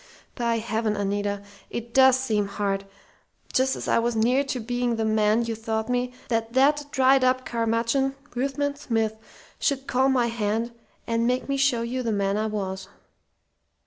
"By heaven, Anita, it does seem hard, just as I was near to being the man you thought me, that that dried up curmudgeon Ruthven Smith should call my hand and make me show you the man I was!